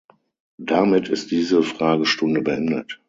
Damit ist diese Fragestunde beendet.